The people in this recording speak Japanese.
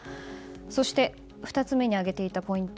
そして２つ目に挙げていたポイント